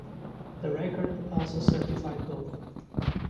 The record also certified gold.